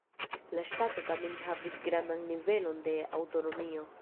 La ŝtato tamen havis grandan nivelon de aŭtonomio.